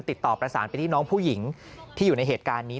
ติดต่อประสานไปที่น้องผู้หญิงที่อยู่ในเหตุการณ์นี้